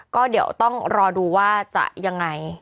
ก็เดี๋ยวต้องรอดูว่าจะยังไง